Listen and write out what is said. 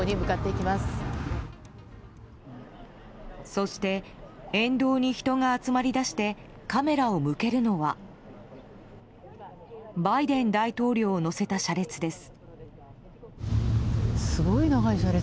そして沿道に人が集まりだしてカメラを向けるのはバイデン大統領を乗せた車列です。